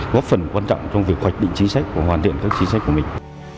góp phần quan trọng trong việc hoạch định chính sách và hoàn thiện các chính sách của mình